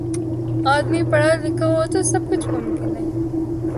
آدمی پڑھا لکھا ہو تو سب کچھ ممکن ہے